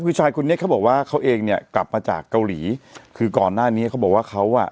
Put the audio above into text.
คือชายคนนี้เขาบอกว่าเขาเองเนี่ยกลับมาจากเกาหลีคือก่อนหน้านี้เขาบอกว่าเขาอ่ะ